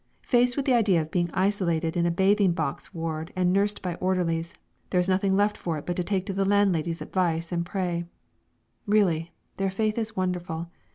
Faced with the idea of being isolated in a bathing box ward and nursed by orderlies, there is nothing left for it but to take the landladies' advice and pray. Really, their faith is wonderful.